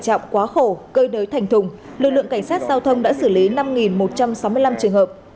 quá tẻ trọng quá khổ cơi đới thành thùng lực lượng cảnh sát giao thông đã xử lý năm một trăm sáu mươi năm trường hợp